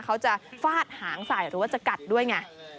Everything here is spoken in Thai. เขาจะฟาดหางสายหรือว่าจะกัดด้วยไง